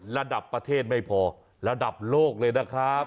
ระดับประเทศไม่พอระดับโลกเลยนะครับ